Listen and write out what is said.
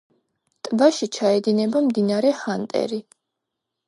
ტბაში ჩაედინება მდინარე ჰანტერი.